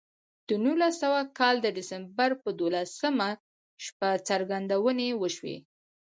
د نولس سوه کال د ډسمبر پر دولسمه شپه څرګندونې وشوې